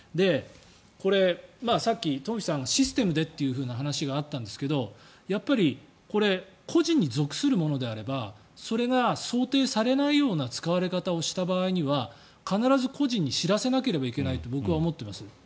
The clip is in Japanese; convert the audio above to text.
これ、さっき東輝さんからシステムでという話があったんですけどやっぱりこれ個人に属するものであればそれが想定されないような使われ方をした場合には必ず個人に知らせなければいけないと僕は思っています。